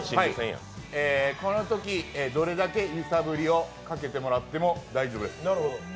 このときどれだけ揺さぶりをかけてもらっても大丈夫です。